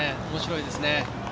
おもしろいですね。